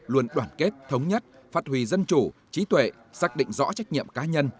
luôn đoàn kết thống nhất phát huy dân chủ trí tuệ xác định rõ trách nhiệm cá nhân